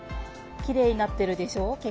きれいになってるでしょう？